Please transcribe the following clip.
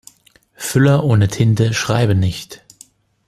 Füller ohne Tinte schreiben nicht.